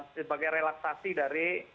sebagai relaksasi dari